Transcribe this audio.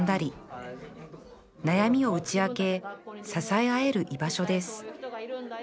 悩みを打ち明け支え合える居場所です